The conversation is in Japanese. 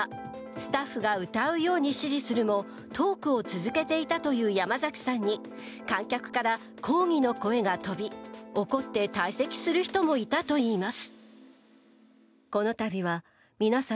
スタッフが歌うように指示するもトークを続けていたという山崎さんに観客から抗議の声が飛び怒って退席する人もいたといいます。